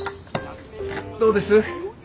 どうです？